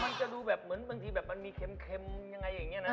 มันจะดูแบบเหมือนบางทีแบบมันมีเค็มยังไงอย่างนี้นะ